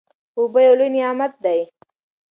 اوبه یو لوی نعمت دی.